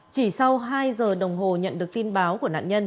chỉ sau hai giờ đồng hồ nhận được tin báo của nạn nhân